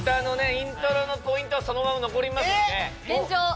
イントロのポイントはそのまま残りますのでえっ